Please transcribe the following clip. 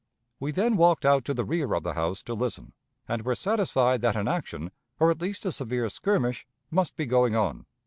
We then walked out to the rear of the house to listen, and were satisfied that an action, or at least a severe skirmish, must be going on.